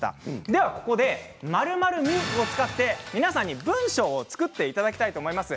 では、ここで、○○みを使って皆さんに文章を作っていただきたいと思います。